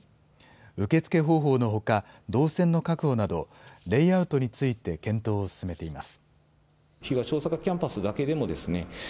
受け付け方法のほか、動線の確保など、レイアウトについて検討を進めています。